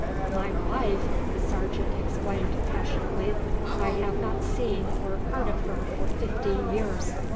"My wife!" the sergeant exclaimed passionately. "I have not seen or heard of her for fifteen years.